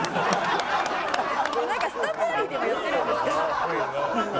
なんかスタンプラリーでもやってるんですか？